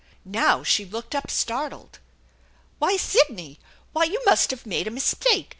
Now she looked up startled. "Why, Sidney! Why, you must have made a mistake!